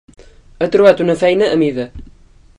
Ha trobat una feina a mida.